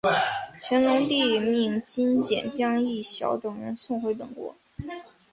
乾隆帝命金简将益晓等人送回本国。